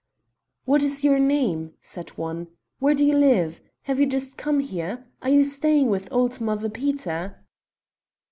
"What is your name?" said one. "Where do you live? Have you just come here? Are you staying with old Mother Peter?"